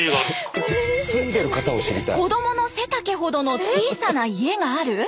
子どもの背丈ほどの小さな家がある？